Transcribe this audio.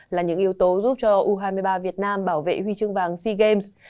là những yếu tố giúp cho u hai mươi ba việt nam bảo vệ huy chương vàng sea games